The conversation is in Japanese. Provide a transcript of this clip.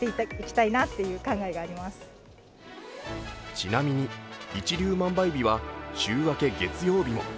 ちなみに、一粒万倍日は週明け月曜日も。